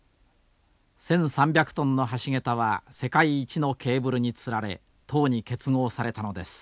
１，３００トンの橋桁は世界一のケーブルにつられ塔に結合されたのです。